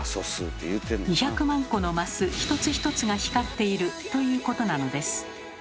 ２００万個のマス一つ一つが光っているということなのです。